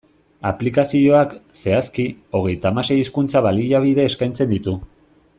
Aplikazioak, zehazki, hogeita hamasei hizkuntza-baliabide eskaintzen ditu.